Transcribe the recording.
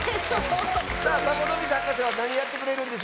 さあサボノミズはかせはなにやってくれるんでしょうか？